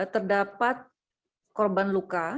terdapat korban luka